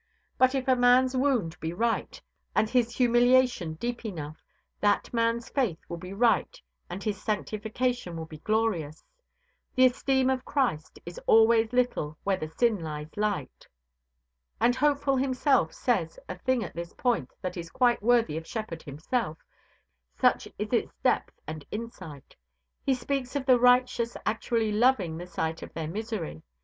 But if a man's wound be right, and his humiliation deep enough, that man's faith will be right and his sanctification will be glorious. The esteem of Christ is always little where sin lies light." And Hopeful himself says a thing at this point that is quite worthy of Shepard himself, such is its depth and insight. He speaks of the righteous actually loving the sight of their misery.